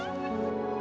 aku emang kecewa banget